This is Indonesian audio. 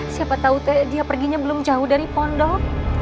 siapa tau teh dia perginya belum jauh dari pondok